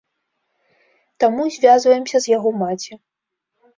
Таму звязваемся з яго маці.